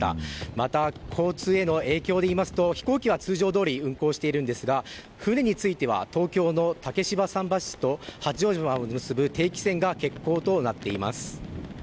また、交通への影響で言いますと飛行機は通常どおり運航しているんですが船については東京の竹芝桟橋と八丈島を結ぶ定期船が欠航となっています。